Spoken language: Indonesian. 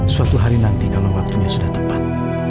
suatu hari nanti kalau waktunya sudah tepat